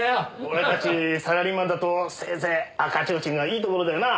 俺たちサラリーマンだとせいぜい赤ちょうちんがいいところだよな。